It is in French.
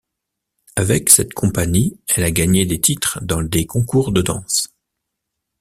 Avec cette compagnie, elle a gagné des titres dans des concours de danse.